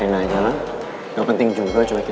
enggak penting juga coba